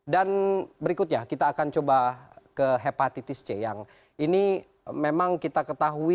dan berikutnya kita akan coba ke hepatitis c yang ini memang kita ketahui